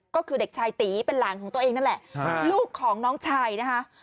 ก็คือเด็กชายตีเป็นหลานของตัวเองนั่นแหละลูกของน้องชายนะคะ